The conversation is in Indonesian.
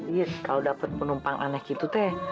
dit kalau dapet penumpang aneh gitu teh